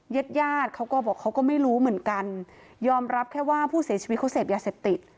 ญาติญาติเขาก็บอกเขาก็ไม่รู้เหมือนกันยอมรับแค่ว่าผู้เสียชีวิตเขาเสพยาเสพติด